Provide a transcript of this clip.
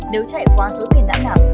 nếu chạy quá số tiền đã nạp